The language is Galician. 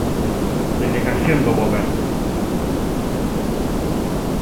Delegación do Goberno.